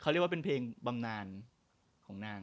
เขาเรียกว่าเป็นเพลงบำนานของนาง